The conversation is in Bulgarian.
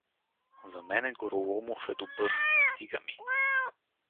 За мене Гороломов е добър, стига ми.